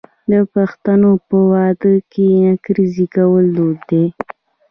د پښتنو په واده کې نکریزې کول دود دی.